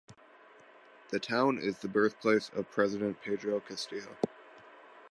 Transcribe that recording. The town is the birthplace of President Pedro Castillo.